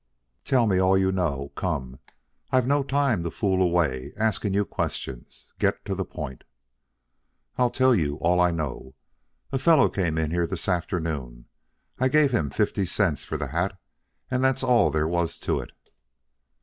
"Tell me all you know. Come, I've no time to fool away asking you questions. Get to the point." "I'll tell you all I know. A fellow came in here this afternoon. I give him fifty cents for the hat and that's all there was to it."